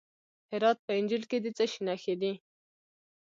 د هرات په انجیل کې د څه شي نښې دي؟